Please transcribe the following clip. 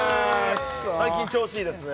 最近調子いいですね